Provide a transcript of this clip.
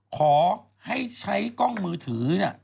ขอให้ใช้กล้องมือถือ